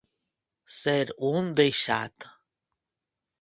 Ser un deixat.